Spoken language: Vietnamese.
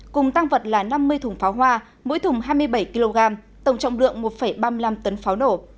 cùng tăng vật là năm mươi thùng pháo hoa mỗi thùng hai mươi bảy kg tổng trọng lượng một ba mươi năm tấn pháo nổ